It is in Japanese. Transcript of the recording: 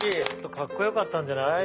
かっこよかったんじゃない？